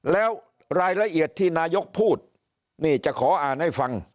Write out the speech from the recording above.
แล้วรายละเอียดที่นายกพูดนี่จะขออ่านให้ฟัง